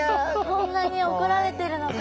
こんなに怒られてるのか。